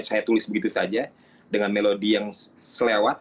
saya tulis begitu saja dengan melodi yang selewat